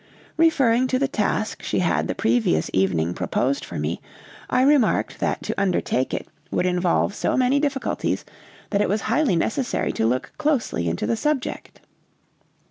Referring to the task she had the previous evening proposed for me, I remarked that to undertake it would involve so many difficulties that it was highly necessary to look closely into the subject.